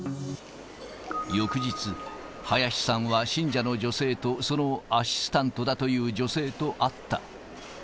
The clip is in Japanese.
翌日、林さんは信者の女性とそのアシスタントだという女性と会った。